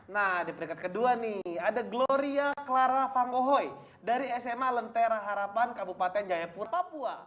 nah di peringkat kedua nih ada gloria clara fanggohoy dari sma lentera harapan kabupaten jayapur papua